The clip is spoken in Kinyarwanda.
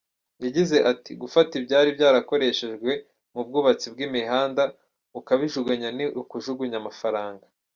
Yagize ati “Gufata ibyari byarakoreshejwe mu bwubatsi bw’imihanda ukabijugunya ni ukujugunya amafaranga.